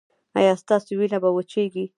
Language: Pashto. ایا ستاسو وینه به وچیږي؟